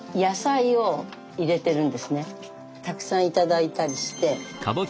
たくさん頂いたりして。